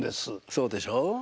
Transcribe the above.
そうでしょ？